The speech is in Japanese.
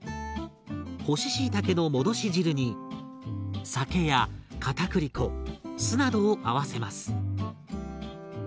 干ししいたけの戻し汁に酒やかたくり粉酢などを合わせます。